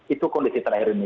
itu kondisi terakhir ini